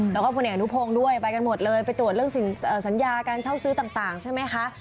แล้วก็พลเอกอนุพงศ์ด้วยไปกันหมดเลยไปตรวจเรื่องสัญญาการเช่าซื้อต่างใช่ไหมคะ